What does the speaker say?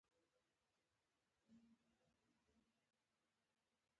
د کمېسیون غړي هغه بررسي کوي.